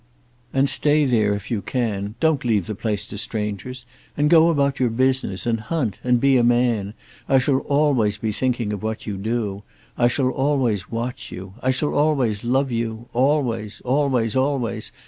"And stay there if you can. Don't leave the place to strangers. And go about your business, and hunt, and be a man. I shall always be thinking of what you do. I shall always watch you. I shall always love you, always, always, always.